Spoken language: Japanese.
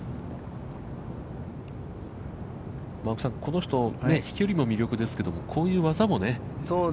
青木さん、この人、飛距離も魅力ですけど、こういう技もね。